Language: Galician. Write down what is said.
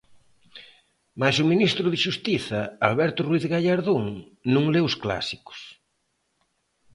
Mais o ministro de Xustiza, Alberto Ruíz Gallardón, non le os clásicos.